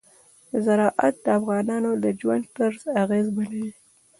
زراعت د افغانانو د ژوند طرز اغېزمنوي.